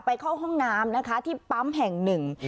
เข้าห้องน้ำนะคะที่ปั๊มแห่งหนึ่ง